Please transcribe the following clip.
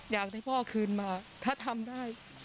อยากให้พ่อคืนมาถ้าทำได้